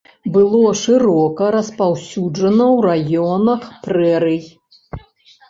Было шырока распаўсюджана ў раёнах прэрый.